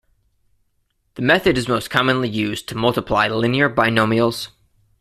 The method is most commonly used to multiply linear binomials.